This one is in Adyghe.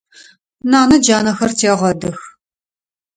Нанэ джанэхэр тегъэдых.